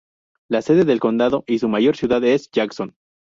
La sede del condado y su mayor ciudad es Jackson.